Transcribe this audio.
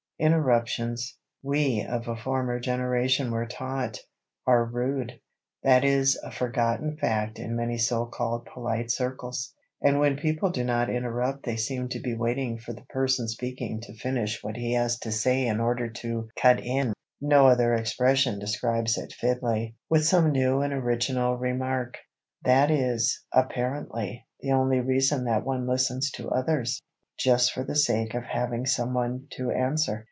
Interruptions, we of a former generation were taught, are rude. That is a forgotten fact in many so called polite circles. And when people do not interrupt they seem to be waiting for the person speaking to finish what he has to say in order to "cut in" (no other expression describes it fitly) with some new and original remark. That is, apparently, the only reason that one listens to others,—just for the sake of having some one to answer.